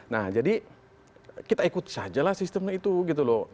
nah jadi kita ikut saja lah sistemnya itu